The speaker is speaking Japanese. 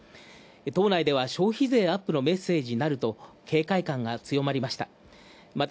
党内では消費税アップのメッセージになると警戒感が強まりました。